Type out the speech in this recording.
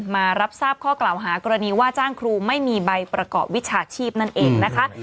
มารับทราบข้อกล่าวหากรณีว่าจ้างครูไม่มีใบประกอบวิชาชีพนั่นเองนะคะ